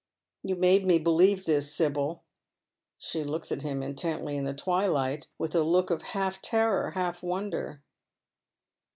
You made me believe this, Sibyl.'" She looks at him intently in the twilight, with a look that i3 Vlf ten or, half wonder.